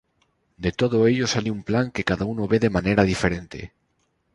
De todo ello sale un plan que cada uno ve de manera diferente.